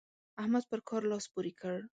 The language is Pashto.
احمد پر کار لاس پورې کړ.